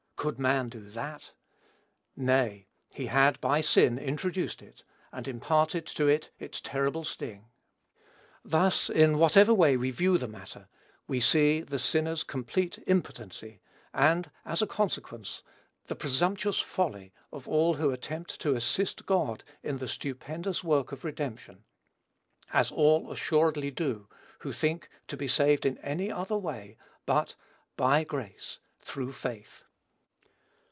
Could man do that? Nay, he had, by sin, introduced it, and imparted to it its terrible sting. Thus, in whatever way we view the matter, we see the sinner's complete impotency, and, as a consequence, the presumptuous folly of all who attempt to assist God in the stupendous work of redemption, as all assuredly do who think to be saved in any other way but "by grace, through faith."